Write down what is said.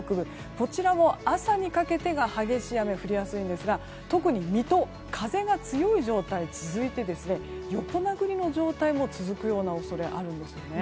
こちらも朝にかけてが激しい雨が降りやすいんですが特に水戸風が強い状態が続いて横殴りの状態が続くような恐れがあるんです。